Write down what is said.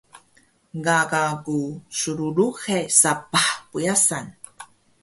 Gaga ku slluhe sapah pyasan